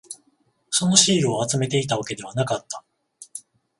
そのシールを集めていたわけではなかった。